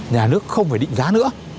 nhà nước không phải định giá nữa